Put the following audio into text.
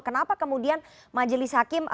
kenapa kemudian majelis hakim